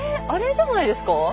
あれじゃないですか？